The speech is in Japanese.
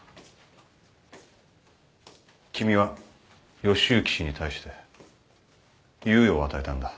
君は義之氏に対して猶予を与えたんだ。